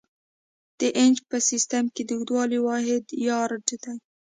د انچ په سیسټم کې د اوږدوالي واحد یارډ دی.